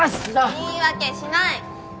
言い訳しない！